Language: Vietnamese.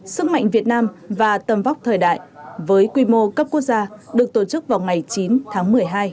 sức mạnh việt nam và tầm vóc thời đại với quy mô cấp quốc gia được tổ chức vào ngày chín tháng một mươi hai